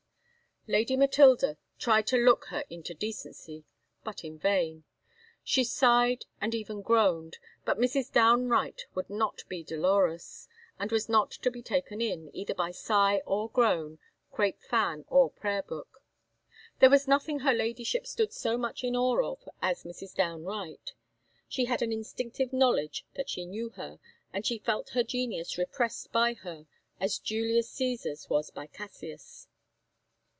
Lady Matilda tried to look her into decency, but in vain. She sighed, and even groaned; but Mrs. Downe Wright would not be dolorous, and was not to be taken in, either by sigh or groan, crape fan or prayer book. There was nobody her Ladyship stood so much in awe of as Mrs. Downe Wright. She had an instinctive knowledge that she knew her, and she felt her genius repressed by her, as Julius Cresar's was by Cassius.